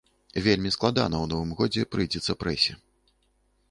Вельмі складана ў новым годзе прыйдзецца прэсе.